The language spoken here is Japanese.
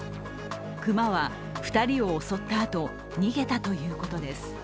熊は２人を襲ったあと、逃げたということです。